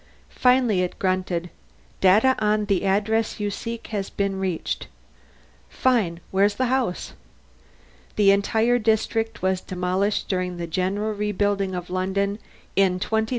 Finally it grunted, "Data on the address you seek has been reached." "Fine! Where's the house?" "The entire district was demolished during the general rebuilding of London in 2982 2997.